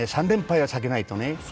３連敗は避けないとね。